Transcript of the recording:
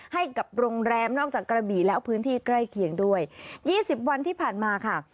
ให้กับโรงแรมนอกจากกระบี่แล้วพื้นที่ใกล้เคียงด้วย๒๐วันที่ผ่านมาค่ะ